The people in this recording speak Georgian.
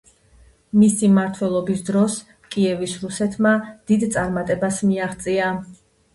მისი მმართველობის დროს კიევის რუსეთმა დიდ წარმატებას მიაღწია.